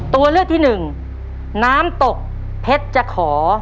ตัวเลือกที่หนึ่งน้ำตกเพชรจะขอ